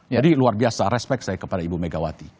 jadi luar biasa respect saya kepada ibu mega wati